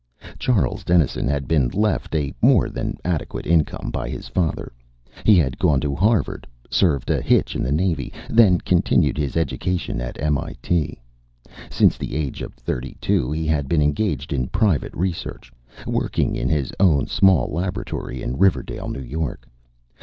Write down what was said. Charles Dennison had been left a more than adequate income by his father. He had gone to Harvard, served a hitch in the Navy, then continued his education at M.I.T. Since the age of thirty two, he had been engaged in private research, working in his own small laboratory in Riverdale, New York.